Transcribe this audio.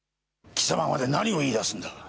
貴様まで何を言い出すんだ。